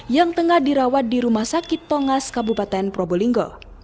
yang tengah dirawat di rumah sakit pongas kabupaten probolinggo